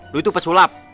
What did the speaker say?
lo itu pesulap